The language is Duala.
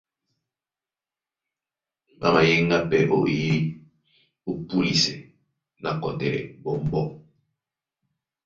Ɓá mayéŋgá pɛ́ ó eyídí ó púlisɛ na kɔtɛlɛ ɓɔmbɔ́.